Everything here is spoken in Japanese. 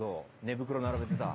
寝袋並べてさ。